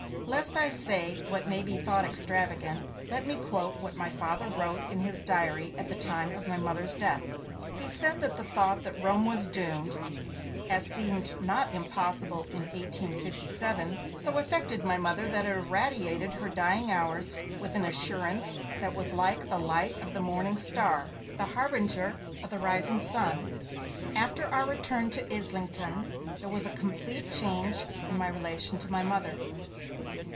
Lest I say what may be thought extravagant, let me quote what my Father wrote in his diary at the time of my Mother's death. He said that the thought that Rome was doomed (as seemed not impossible in 1857) so affected my Mother that it 'irradiated' her dying hours with an assurance that was like 'the light of the Morning Star, the harbinger of the rising sun'. After our return to Islington, there was a complete change in my relation to my Mother.